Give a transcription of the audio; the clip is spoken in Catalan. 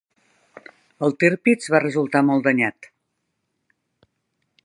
El "Tirpitz" va resultar molt danyat.